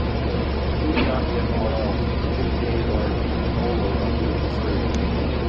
Who would not give all else for two pennyworth only of beautiful soup?